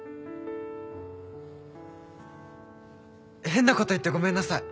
変な事言ってごめんなさい。